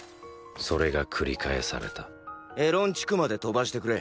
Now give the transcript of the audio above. それがくり返されたエロン地区まで飛ばしてくれ！